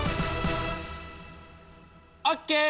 オッケー！